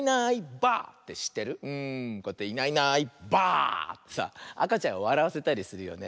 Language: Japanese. こうやって「いないいないばあ！」ってさあかちゃんをわらわせたりするよね。